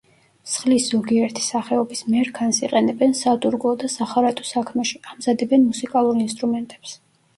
მსხლის ზოგიერთი სახეობის მერქანს იყენებენ სადურგლო და სახარატო საქმეში, ამზადებენ მუსიკალურ ინსტრუმენტებს.